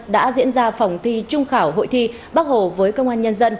đã diễn ra phòng thi trung khảo hội thi bắc hồ với công an nhân dân